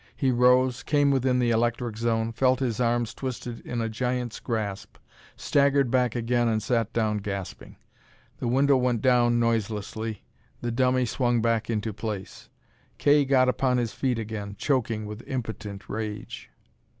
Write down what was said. He rose, came within the electric zone, felt his arms twisted in a giant's grasp, staggered back again and sat down gasping. The window went down noiselessly, the dummy swung back into place. Kay got upon his feet again, choking with impotent rage.